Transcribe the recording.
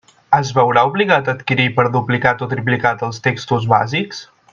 Es veurà obligat a adquirir per duplicat o triplicat els textos bàsics?